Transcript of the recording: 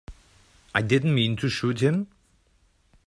I didn't mean to shoot him.